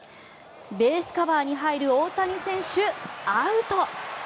ベースカバーに入る大谷選手アウト。